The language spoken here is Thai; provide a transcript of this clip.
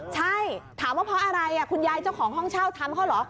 ใช่ถามว่าเพราะอะไรคุณยายเจ้าของห้องเช่าทำเขาเหรอ